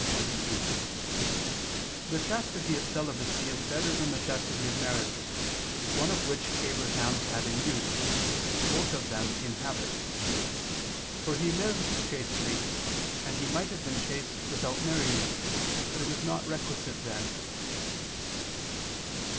xxii), "the chastity of celibacy is better than the chastity of marriage, one of which Abraham had in use, both of them in habit. For he lived chastely, and he might have been chaste without marrying, but it was not requisite then."